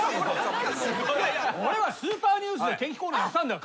俺は『スーパーニュース』で天気コーナーやってたんだよ。